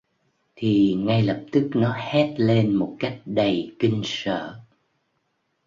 Thì ngay lập tức nó hét lên một cách đầy kinh sợ